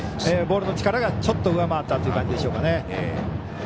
ボールの力がちょっと上回ったという感じでしょうかね。